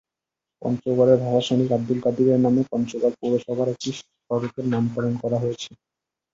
পঞ্চগড়ের ভাষাসৈনিক আবদুল কাদিরের নামে পঞ্চগড় পৌরসভার একটি সড়কের নামকরণ করা হয়েছে।